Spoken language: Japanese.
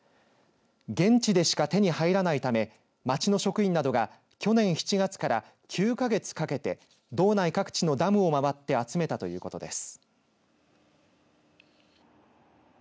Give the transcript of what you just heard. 現地でしか手に入らないため町の職員などが去年７月から９か月かけて道内各地のダムを回って集めたということです。